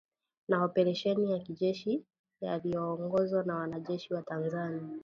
na oparesheni ya kijeshi yaliyoongozwa na wanajeshi wa Tanzania